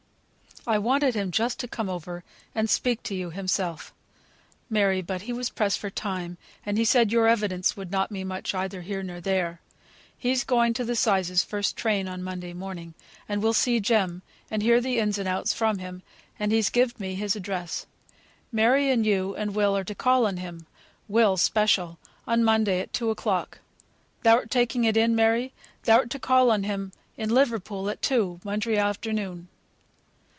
I wanted him just to come over and speak to you himsel, Mary, but he was pressed for time; and he said your evidence would not be much either here or there. He's going to the 'sizes first train on Monday morning, and will see Jem, and hear the ins and outs from him, and he's gived me his address, Mary, and you and Will are to call on him (Will 'special) on Monday at two o'clock. Thou'rt taking it in, Mary; thou'rt to call on him in Liverpool at two, Monday afternoon?"